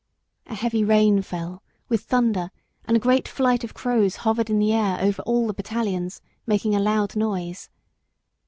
A heavy rain fell, with thunder, and a great flight of crows hovered in the air over all the battalions, making a loud noise.